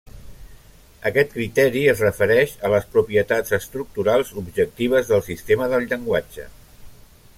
Aquest criteri es refereix a les propietats estructurals objectives del sistema del llenguatge.